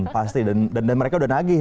pasti dan mereka udah nagih